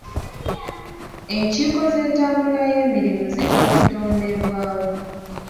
Enkiiko z'entambula y'emirimu zijja kutondebwawo.